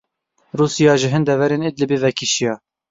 Rûsya ji hin deverên Idlibê vekişiya.